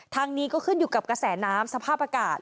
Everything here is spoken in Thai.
ทางนี้ก็ขึ้นอยู่กับกระแสน้ำสภาพอากาศ